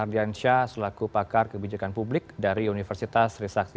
dikan publik dari universitas risaksi